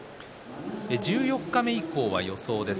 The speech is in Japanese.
十四日目以降は予想です。